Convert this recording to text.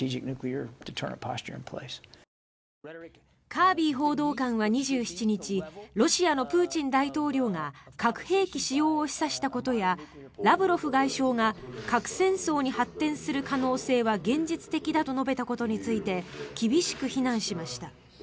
カービー報道官は２７日ロシアのプーチン大統領が核兵器使用を示唆したことやラブロフ外相が核戦争に発展する可能性は現実的だと述べたことについて厳しく非難しました。